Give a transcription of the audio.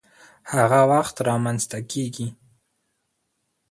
هغه وخت رامنځته کيږي،